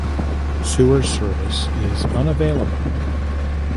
Sewer service is unavailable.